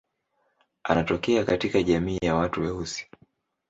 Anatokea katika jamii ya watu weusi.